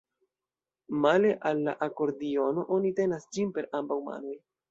Male al la akordiono oni tenas ĝin per ambaŭ manoj.